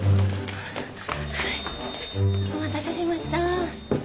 ☎お待たせしました。